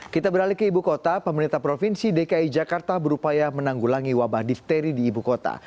kita beralih ke ibu kota pemerintah provinsi dki jakarta berupaya menanggulangi wabah difteri di ibu kota